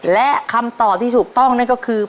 และคำตอบที่ถูกต้องนั่นก็คือ